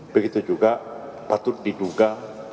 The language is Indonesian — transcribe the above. begitu juga patut diduga